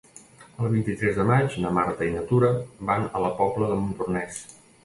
El vint-i-tres de maig na Marta i na Tura van a la Pobla de Montornès.